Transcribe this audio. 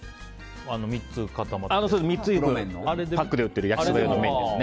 ３つのパックで売っている麺ですね。